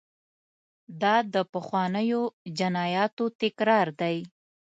دا د پخوانیو جنایاتو تکرار دی.